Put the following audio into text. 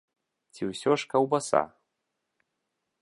Ці ўсё ж каўбаса?